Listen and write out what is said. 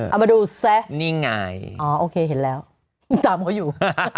เอามาดูซะนี่ไงอ๋อโอเคเห็นแล้วยังตามเขาอยู่